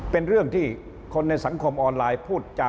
เป็นเรื่องที่คนในสังคมออนไลน์พูดจา